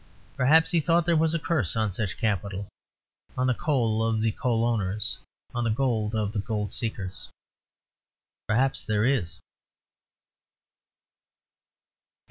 Perhaps he thought there was a curse on such capital: on the coal of the coal owners, on the gold of the gold seekers. Perhaps there is.